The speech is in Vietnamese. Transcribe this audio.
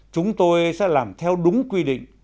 chúng tôi sẽ làm theo đúng quy định